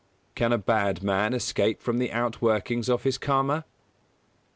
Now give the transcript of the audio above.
_Can a bad man escape from the outworkings of his Karma?